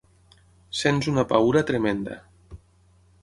Sents una paüra tremenda.